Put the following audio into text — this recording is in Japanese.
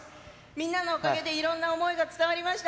みんなのおかげでいろんな想いが伝わりました。